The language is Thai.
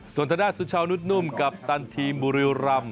ส่วนทหลาดสุชาวนุ่นกัปตันทีมบุรีรัม